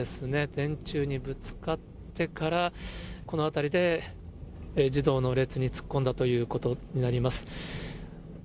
電柱にぶつかってから、この辺りで児童の列に突っ込んだということになります。